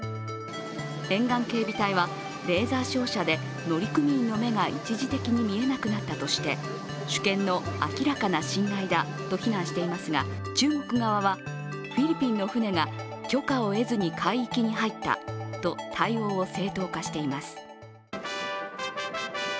沿岸警備隊はレーザー照射で乗組員の目が一時的に目が見えなくなったとして主権の明らかな侵害だと非難していますが、中国側は、フィリピンの船が許可を得ずに海域に入ったと対応を正当化しています。